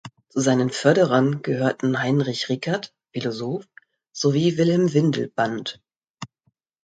Zu seinen Förderern gehörten Heinrich Rickert (Philosoph) sowie Wilhelm Windelband.